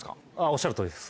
おっしゃるとおりです